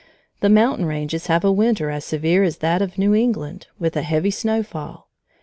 The mountain ranges have a winter as severe as that of New England, with a heavy snowfall.